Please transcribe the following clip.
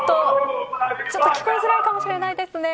ちょっと聞こえづらいかもしれないですね。